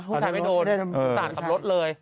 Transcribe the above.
ผู้ชายไม่โดนสาดกับรถเลย